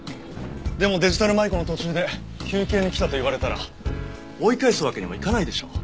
でもデジタル舞子の途中で休憩に来たと言われたら追い返すわけにもいかないでしょう？